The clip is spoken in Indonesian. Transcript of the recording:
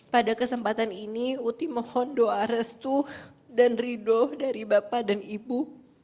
pada kesempatan ini uti mohon doa restu dan ridho dari bapak dan ibu